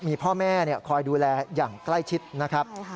มีพ่อแม่คอยดูแลอย่างใกล้ชิดนะครับ